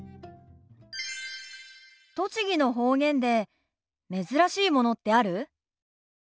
栃木の方言で珍しいものってある？